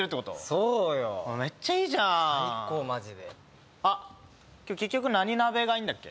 そうよめっちゃいいじゃん最高マジであっ今日結局何鍋がいいんだっけ？